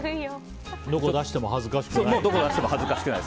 どこ出しても恥ずかしくない。